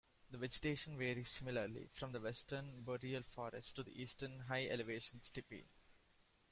The vegetation varies similarly, from the western boreal forest, to the eastern high-elevation steppe.